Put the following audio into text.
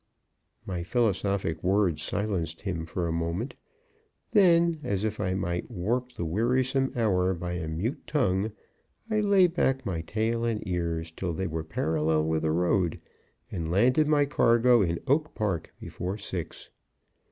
My philosophic words silenced him for a moment. Then, as if I might warp the wearisome hour by a mute tongue, I lay back my tail and ears till they were parallel with the road, and landed my cargo in Oak Park before six.